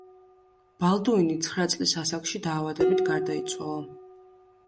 ბალდუინი ცხრა წლის ასაკში დაავადებით გარდაიცვალა.